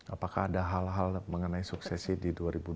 apakah ada hal hal mengenai suksesi di dua ribu dua puluh